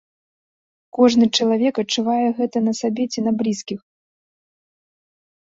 Кожны чалавек адчувае гэта на сабе ці на блізкіх.